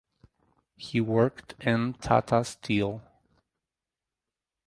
He worked in Tata Steel.